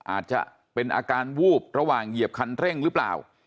อาจจะเป็นอาการวูบระหว่างเหยียบคันเร่งหรือเปล่า